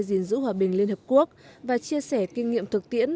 gìn giữ hòa bình liên hợp quốc và chia sẻ kinh nghiệm thực tiễn